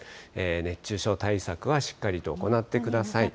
熱中症対策はしっかりと行ってください。